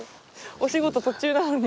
お仕事途中なのに。